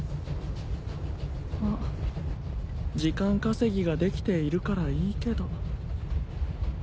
まあ時間稼ぎができているからいいけど。